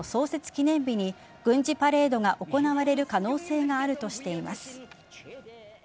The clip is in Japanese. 記念日に軍事パレードが行われる可能性があるとしています。